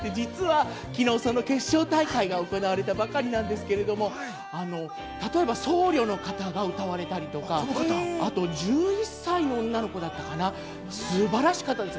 実は昨日、決勝大会の収録が行われたばかりなんですけど、例えば僧侶の方が歌われたりあと１１歳の女の子だったかな、素晴らしかったです。